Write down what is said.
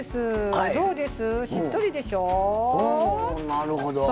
なるほど。